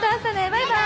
バイバイ！